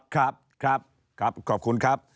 ครับครับขอบคุณครับ